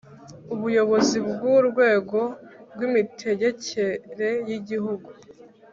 ubuyobozi bw urwego rw imitegekere y Igihugu